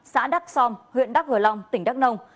xã đắk song huyện đắk gờ long tỉnh đắk nông